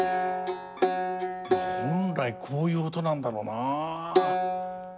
本来こういう音なんだろうな。